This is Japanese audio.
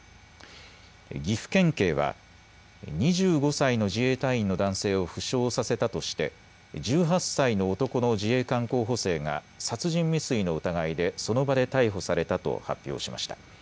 岐阜県警は２５歳の自衛隊員の男性を負傷させたとして１８歳の男の自衛官候補生が殺人未遂の疑いでその場で逮捕されたと発表しました。